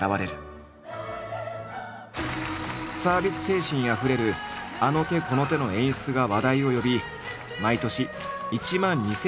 サービス精神あふれるあの手この手の演出が話題を呼び毎年１万２，０００人以上を動員。